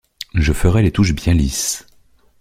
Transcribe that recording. Je ferai les touches bien lisses.